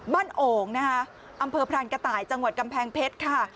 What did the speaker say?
โอ่งนะคะอำเภอพรานกระต่ายจังหวัดกำแพงเพชรค่ะ